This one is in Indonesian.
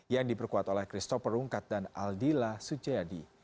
yang diperkuat oleh christopher rungkat dan aldila sujayadi